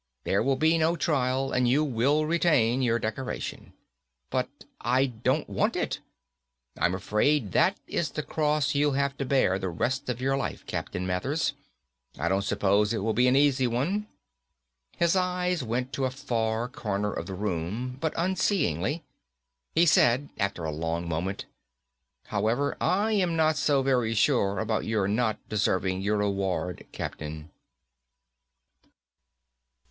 There will be no trial, and you will retain your decoration." "But I don't want it!" "I'm afraid that is the cross you'll have to bear the rest of your life, Captain Mathers. I don't suppose it will be an easy one." His eyes went to a far corner of the room, but unseeingly. He said after a long moment, "However, I am not so very sure about your not deserving your award, Captain."